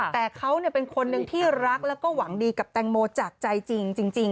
แต่เขาเป็นคนหนึ่งที่รักแล้วก็หวังดีกับแตงโมจากใจจริง